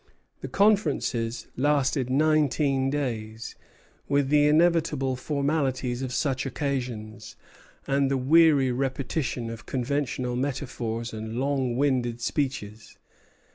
The conferences lasted nineteen days, with the inevitable formalities of such occasions, and the weary repetition of conventional metaphors and long winded speeches.